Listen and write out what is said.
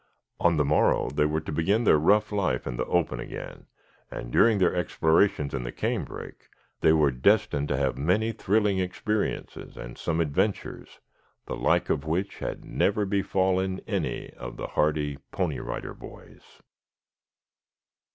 On the morrow they were to begin their rough life in the open again, and during their explorations in the canebrake they were destined to have many thrilling experiences and some adventures, the like of which had never befallen any of the hardy Pony Rider Boys.